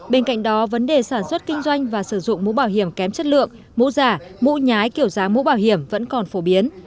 bên cạnh đó vấn đề sản xuất kinh doanh và sử dụng mũ bảo hiểm kém chất lượng mũ giả mũ nhái kiểu dáng mũ bảo hiểm vẫn còn phổ biến